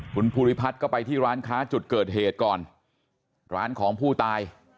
คุณภูริพัฒน์ก็ไปที่ร้านค้าจุดเกิดเหตุก่อนร้านของผู้ตาย